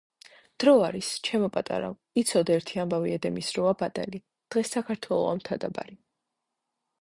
დრო არის, ჩემო პატარავ, იცოდე ერთი ამბავი ედემის როა ბადალი, დღეს საქართველოს მთა ბარი!